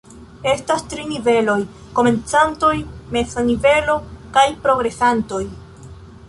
Estas tri niveloj: komencantoj, meza nivelo kaj progresantoj.